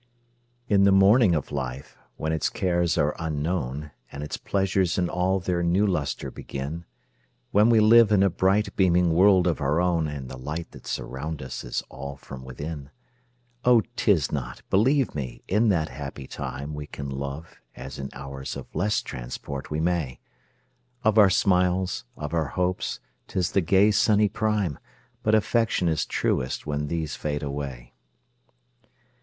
In the morning of life, when its cares are unknown, And its pleasures in all their new lustre begin, When we live in a bright beaming world of our own, And the light that surrounds us is all from within; Oh 'tis not, believe me, in that happy time We can love, as in hours of less transport we may; Of our smiles, of our hopes, 'tis the gay sunny prime, But affection is truest when these fade away.